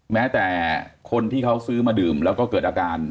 แม้แต่คนที่เขาซื้อมาดื่มแล้วก็เกิดอาการ